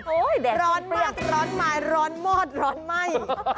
โอ้ยร้อนมากร้อนหมดร้อนไหม้